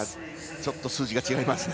ちょっと数字が違いますね。